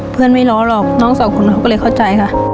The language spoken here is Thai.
ไม่ล้อหรอกน้องสองคนเขาก็เลยเข้าใจค่ะ